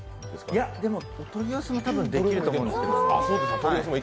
いや、取り寄せも多分できると思うんですけど。